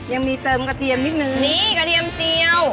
ยังมีเติมกระเทียมนิดนึงนี่กระเทียมเจียว